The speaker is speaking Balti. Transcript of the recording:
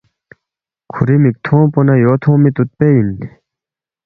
کھوری مک تھونگ پو نایو تھونگمی توت پے ان